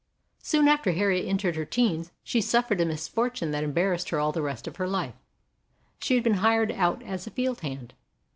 Soon after Harriet entered her teens she suffered a misfortune that embarrassed her all the rest of her life. She had been hired out as a field hand.